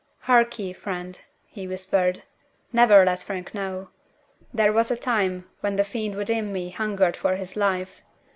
"Hark ye, friend," he whispered. "Never let Frank know it. There was a time when the fiend within me hungered for his life.